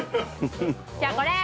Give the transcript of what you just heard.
じゃこれ。